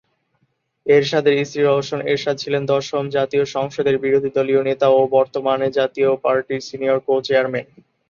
এরশাদের স্ত্রী রওশন এরশাদ ছিলেন দশম জাতীয় সংসদের বিরোধীদলীয় নেতা ও বর্তমানে জাতীয় পার্টির সিনিয়র কো-চেয়ারম্যান।